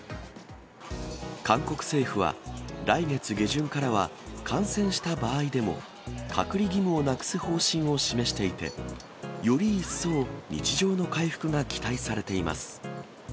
韓国政府は、来月下旬からは感染した場合でも隔離義務をなくす方針を示していて、より一層、日常の回復が期待されています。